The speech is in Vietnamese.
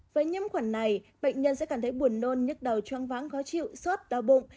với nhiễm khuẩn này bệnh nhân sẽ cảm thấy buồn nôn nhức đầu choáng váng khó chịu sốt đau bụng